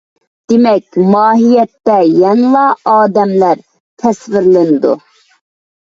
دېمەك، ماھىيەتتە يەنىلا ئادەملەر تەسۋىرلىنىدۇ.